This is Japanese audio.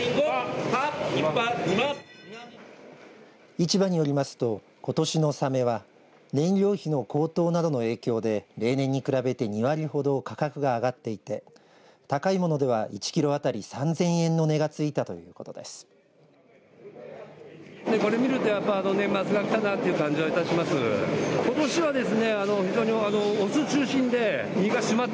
市場によりますとことしのさめは燃料費の高騰などの影響で例年に比べて２割ほど価格が上がっていて高いものでは１キロ当たり３０００円の値がついたということです。